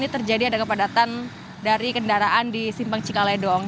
terjadi ada kepadatan dari kendaraan di simpang cikaledong